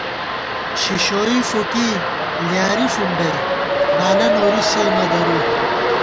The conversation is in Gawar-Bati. شِشوئی فُوکی لیارِی فُونڈَئی، بالہ نوری سے نہ درُوئی